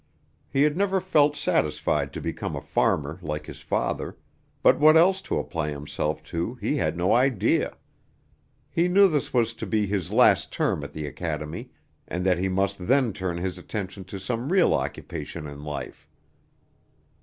He had never felt satisfied to become a farmer like his father, but what else to apply himself to he had no idea. He knew this was to be his last term at the academy, and that he must then turn his attention to some real occupation in life.